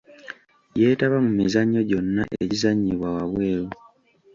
Yeetaba mu mizannyo gyonna egizannyibwa wabweru.